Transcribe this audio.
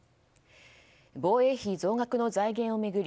防衛費増額の財源を巡り